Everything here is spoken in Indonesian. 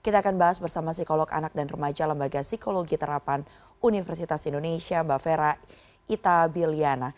kita akan bahas bersama psikolog anak dan remaja lembaga psikologi terapan universitas indonesia mbak fera ita biliana